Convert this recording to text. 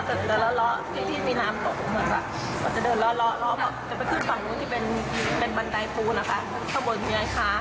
เข้าบนเมื่ยยท้ามันจะขึ้นแก้กว่า